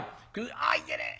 「あっいけねえ。